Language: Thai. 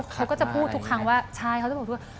เขาก็จะพูดทุกครั้งว่าใช่เขาจะบอกพูด